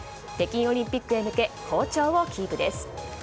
北京オリンピックへ向け好調をキープです。